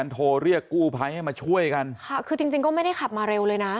โทรเรียกกู้ภัยให้มาช่วยกันค่ะคือจริงจริงก็ไม่ได้ขับมาเร็วเลยนะ